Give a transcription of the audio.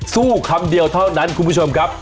คำเดียวเท่านั้นคุณผู้ชมครับ